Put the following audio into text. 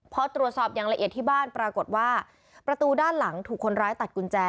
พอตรวจสอบอย่างละเอียดที่บ้านปรากฏว่าประตูด้านหลังถูกคนร้ายตัดกุญแจ